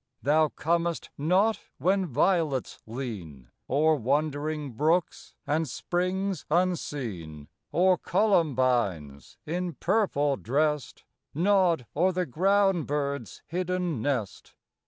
Thou comest not when violets lean O'er wandering brooks and springs unseen, Or columbines, in purple dressed, Nod o'er the ground bird's hidden nest.